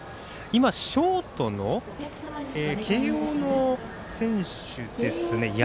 ショートの慶応の選手ですね。